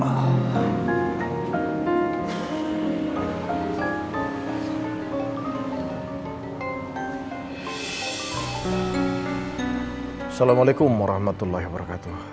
assalamualaikum warahmatullahi wabarakatuh